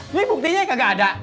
ini buktinya kagak ada